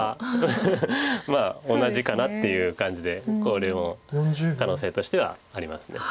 まあ同じかなっていう感じでこれも可能性としてはあります。